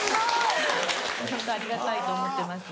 ホントありがたいと思ってます。